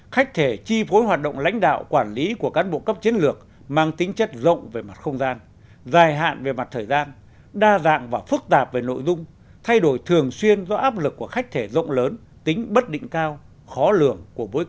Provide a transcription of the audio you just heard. khách thể chi phối hoạt động lãnh đạo quản lý của cán bộ cấp chiến lược mang tính chất rộng về mặt không gian dài hạn về mặt thời gian đa dạng và phức tạp về nội dung thay đổi thường xuyên do áp lực của khách thể rộng lớn tính bất định cao khó lường của bối cảnh